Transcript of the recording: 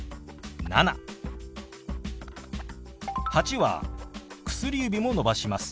「８」は薬指も伸ばします。